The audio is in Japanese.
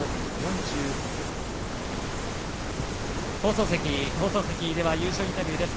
放送席、優勝インタビューです。